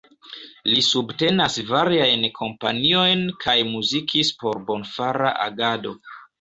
Li subtenas variajn kampanjojn kaj muzikis por bonfara agado.